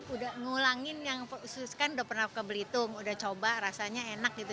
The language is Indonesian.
udah ngulangin yang khusus kan udah pernah ke belitung udah coba rasanya enak gitu